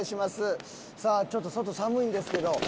さあちょっと外寒いんですけど。